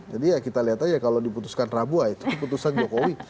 jadi ya kita lihat aja kalo diputuskan rabu ya itu keputusan jokowi